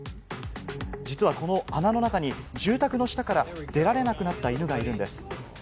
実はこの穴の中に住宅の下から出られなくなった犬がいるんです。